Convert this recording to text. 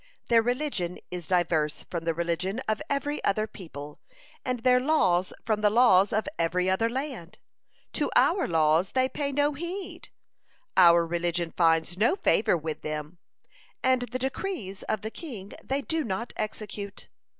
Their religion is diverse from the religion of every other people, and their laws from the laws of every other land. To our laws they pay no heed, our religion finds no favor with them, and the decrees of the king they do not execute.